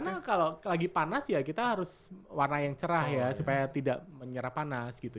karena kalau lagi panas ya kita harus warna yang cerah ya supaya tidak menyerap panas gitu